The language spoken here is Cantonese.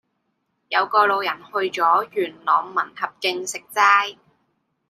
有個老人去左元朗民合徑食齋